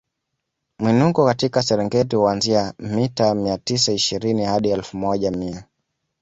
Mwinuko katika Serengeti huanzia mita mia tisa ishirini hadi elfu moja mia